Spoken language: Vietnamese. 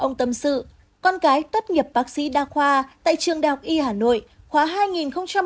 ông tâm sự con gái tất nghiệp bác sĩ đa khoa tại trường đại học y hà nội khoa hai nghìn một mươi ba hai nghìn một mươi chín